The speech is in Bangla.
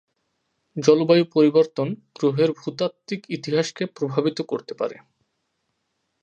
জলবায়ু পরিবর্তন গ্রহের ভূতাত্ত্বিক ইতিহাসকে প্রভাবিত করতে পারে।